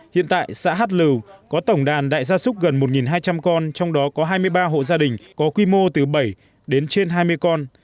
hiện tại xã hát lưu có tổng đàn đại gia súc gần một hai trăm linh con trong đó có hai mươi ba hộ gia đình có quy mô từ bảy đến trên hai mươi con